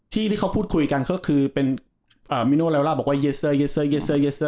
ที่เขาพูดคุยกันก็คือเป็นมิโนเลล่าบอกว่าเยเซอร์เยเซอร์เยเซอร์เยสเซอร์